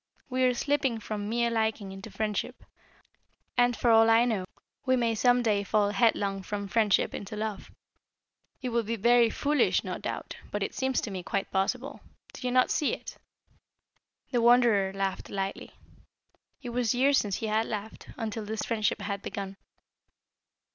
We are slipping from mere liking into friendship, and for all I know we may some day fall headlong from friendship into love. It would be very foolish no doubt, but it seems to me quite possible. Do you not see it?" The Wanderer laughed lightly. It was years since he had laughed, until this friendship had begun.